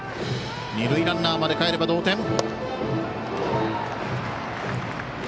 二塁ランナーまでかえれば同点。